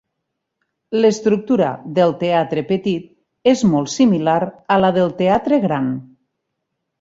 L'estructura del Teatre petit és molt similar a la del Teatre gran.